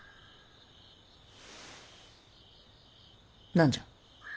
何じゃ。